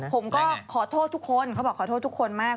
ผมก็ขอโทษทุกคนเขาบอกขอโทษทุกคนมาก